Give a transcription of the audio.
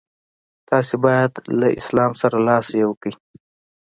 تاسي باید له اسلام سره لاس یو کړئ.